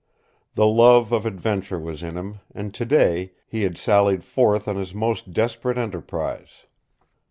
The love of adventure was in him, and today he had sallied forth on his most desperate enterprise.